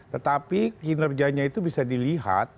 tetapi kinerjanya itu bisa dilihat